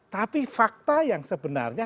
tapi fakta yang sebenarnya